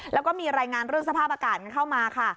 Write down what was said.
แล้วก็มีรายงานเรื่องสภาพอากาศเข้ามาค่ะ